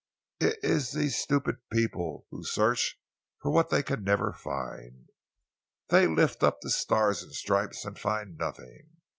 It is these stupid people who search for what they can never find. They lift up the Stars and Stripes and find nothing.